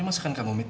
ini masakan kak umid